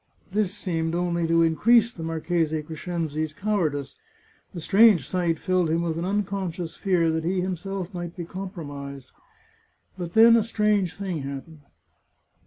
This seemed only to increase the Marchese Crescenzi's cowardice — the strange sight filled him with an unconscious fear that he himself might be compromised. But then a strange thing happened.